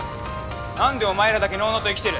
なんでお前らだけのうのうと生きてる？